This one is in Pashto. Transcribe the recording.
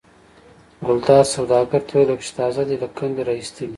ګلداد سوداګر ته وویل لکه چې تازه دې له کندې را ایستلي.